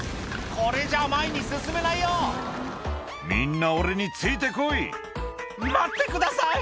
これじゃあ前に進めないよ「みんな俺について来い」「待ってください！」